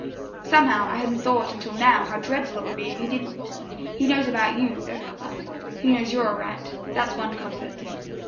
"Somehow, I hadn't thought until now how dreadful it would be if he didn't. He knows about you, though, papa. He knows you're all right that's one comfort."